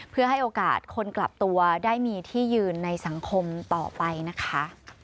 เพื่อให้โอกาสคนกลับตัวได้มีที่ยืนในสังคมต่อไปนะคะ